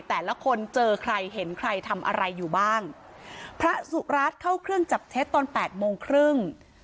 แต่ละคนเจอใครเห็นใครทำอะไรอยู่บ้างพระสุรัตน์เข้าเครื่องจับเท็จตอนแปดโมงครึ่ง